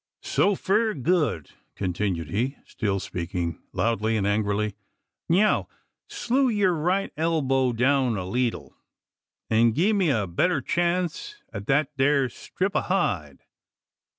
"So fur good!" continued he, still speaking loudly and angrily. "Neow! slew yeer right elbow down a leetle, an' gi' me a better chance at thet eer strip o' hide.